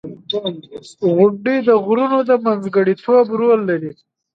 • غونډۍ د غرونو د منځګړیتوب رول لري.